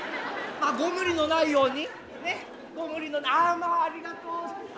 あっご無理のないように。